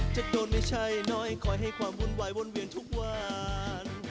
จะโดนไม่ใช่น้อยคอยให้ความวุ่นวายวนเวียนทุกวัน